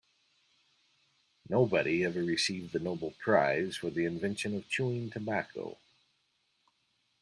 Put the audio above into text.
Nobody ever received the Nobel prize for the invention of chewing tobacco.